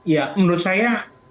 ya menurut saya